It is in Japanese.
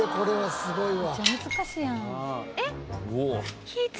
すごいよ。